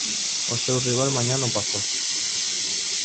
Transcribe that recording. O seu rival mañá no Pazo.